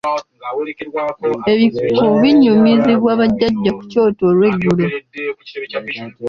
Ebikoco binyumizibwa bajjajja ku kyoto olweggulo.